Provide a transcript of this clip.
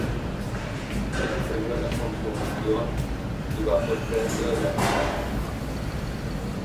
Se suprimió la consumición y bajó el precio de las entradas.